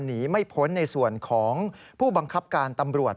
หนีไม่พ้นในส่วนของผู้บังคับการตำรวจ